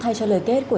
rất là tắt đỏ